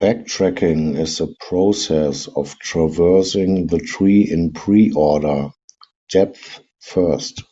Backtracking is the process of traversing the tree in preorder, depth first.